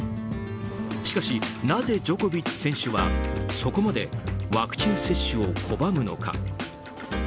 しかし、なぜジョコビッチ選手はそこまでワクチン接種を拒むのか。